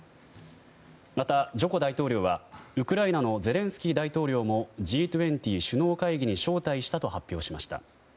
また、ジョコ大統領はウクライナのゼレンスキー大統領もＧ２０首脳会議に招待したと発表しました。